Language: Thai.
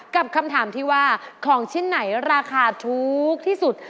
คำถามที่ว่าของชิ้นไหนราคาถูกที่สุด